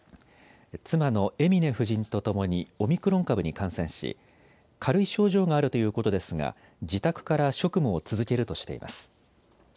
妻のエミネ夫人とともにオミクロン株に感染し軽い症状があるということですが自宅から職務を続けるとしています。